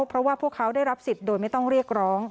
เพราะว่าพวกเขาได้รับสิทธิ์โดยไม่ต้องเรียกร้อง